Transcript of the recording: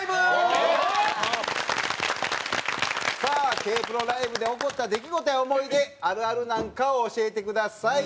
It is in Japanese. さあＫ−ＰＲＯライブで起こった出来事や思い出あるあるなんかを教えてください。